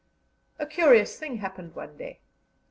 A curious thing happened one day.